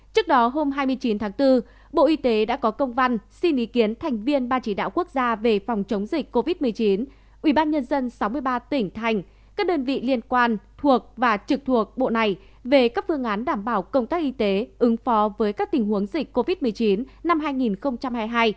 trước đó hôm hai mươi chín tháng bốn bộ y tế đã có công văn xin ý kiến thành viên ban chỉ đạo quốc gia về phòng chống dịch covid một mươi chín ubnd sáu mươi ba tỉnh thành các đơn vị liên quan thuộc và trực thuộc bộ này về các phương án đảm bảo công tác y tế ứng phó với các tình huống dịch covid một mươi chín năm hai nghìn hai mươi hai